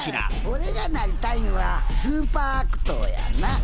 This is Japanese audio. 俺がなりたいんはスーパー悪党やな。